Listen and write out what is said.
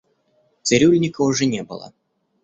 Цирюльника уже не было.